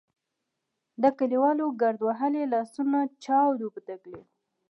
د کلیوالو ګرد وهلي لاسونه چاود وو په تکلیف.